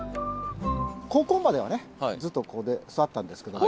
高校まではねずっとここで育ったんですけど。